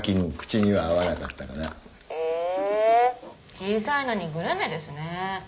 小さいのにグルメですねェ。